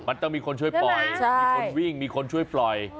มันต้องมีคนช่วยปล่อยมีคนวิ่งมีคนช่วยปล่อย